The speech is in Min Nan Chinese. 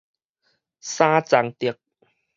三欉竹